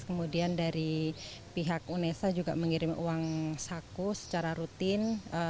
kemudian dari pihak unesa juga mengirim uang saku secara rutin